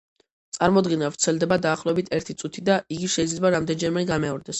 წარმოდგენა ვრცელდება დაახლოებით ერთი წუთი და იგი შეიძლება რამდენიმეჯერ განმეორდეს.